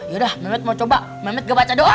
yaudah memet mau coba memet ngebaca doa